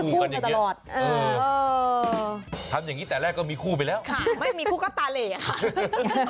ทำอย่างนี้แต่แรกก็มีคู่ไปแล้วค่ะไม่มีคู่ก็ตาเล่ะค่ะ